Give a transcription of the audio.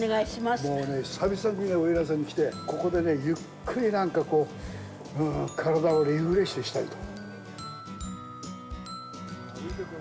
もうね、久々にね、奥入瀬に来て、ここでね、ゆっくり、なんかこう、体をリフレッシュしたいと。